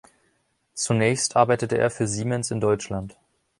Zunächst arbeitete er für Siemens in Deutschland.